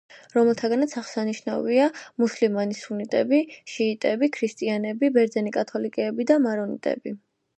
რომელთაგანაც აღსანიშნავია: მუსლიმანი სუნიტები, შიიტები, ქრისტიანები, ბერძენი კათოლიკეები და მარონიტები.